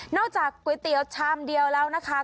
จากก๋วยเตี๋ยวชามเดียวแล้วนะคะ